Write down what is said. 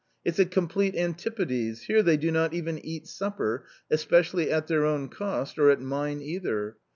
It's a complete antipodes ! Here they do not even eat supper, especially at their own cost, or at mine either.